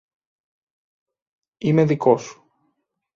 Είμαι δικός σου